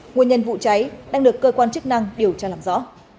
nguyên nhân vụ cháy đang được cơ quan chức năng điều tra làm rõ